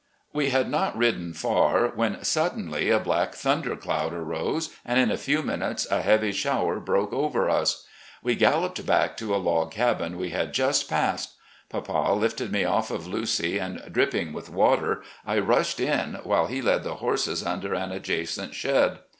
" We had not ridden far, when suddenly a black thun der cloud arose and in a few minutes a heavy shower broke over us. We galloped back to a log cabin we had just passed. Papa lifted me ofiE of Lucy and, dripping with water, I rushed in, while he led the horse trader an adjacent shed.